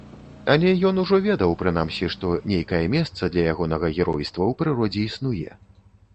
Але ён ужо ведаў, прынамсі, што нейкае месца для ягонага геройства ў прыродзе існуе.